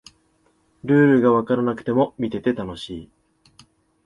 ルールがわからなくても見てて楽しい